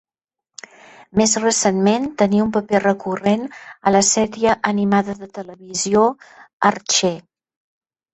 Més recentment, tenia un paper recurrent a la sèrie animada de televisió "Archer".